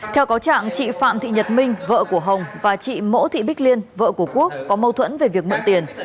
theo cáo trạng chị phạm thị nhật minh vợ của hồng và chị ngô thị bích liên vợ của quốc có mâu thuẫn về việc mượn tiền